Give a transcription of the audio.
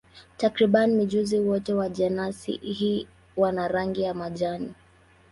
Takriban mijusi wote wa jenasi hii wana rangi ya majani.